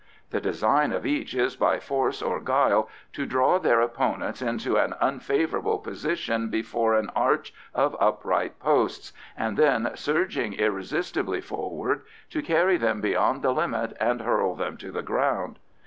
The design of each is by force or guile to draw their opponents into an unfavourable position before an arch of upright posts, and then surging irresistibly forward, to carry them beyond the limit and hurl them to the ground.